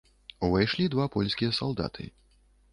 Увайшлі два польскія салдаты.